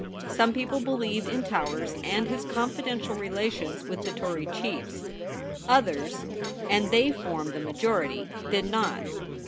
Some people believed in Towers and his confidential relations with the Tory chiefs ; others, and they formed the majority, did not.